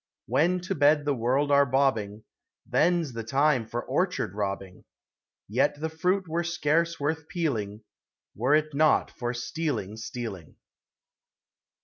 When to bed the world are bobbing, Then 's the time for orchard robbing ; Yet the fruit were scarce worth peeling Were it not for stealing, stealing.